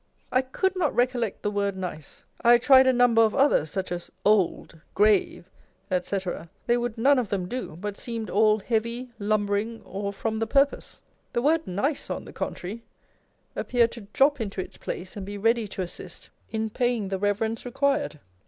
I could not recollect the word nice : I tried a number of others, such as old, grave, &c. â€" they would none of them do, but seemed all heavy, lumbering, or from the purpose : the word nice, on the contrary, appeared to drop into its place, and be ready to assist in paying the reverence required.